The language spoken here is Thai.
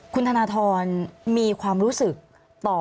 คุณธนทรมีความรู้สึกต่อ